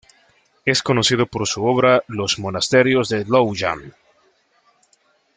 Es conocido por su obra "Los monasterios de Luoyang".